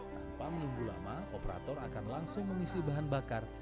tanpa menunggu lama operator akan langsung mengisi bahan bakar